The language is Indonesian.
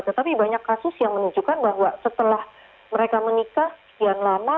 tetapi banyak kasus yang menunjukkan bahwa setelah mereka menikah sekian lama